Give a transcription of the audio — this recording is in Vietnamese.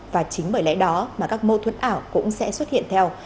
và chính bởi lẽ đó mà các mâu thuẫn ảo cũng sẽ xuất hiện theo